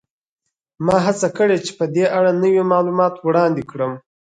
ما هڅه کړې چې په دې اړه نوي معلومات وړاندې کړم